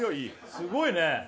すごいね。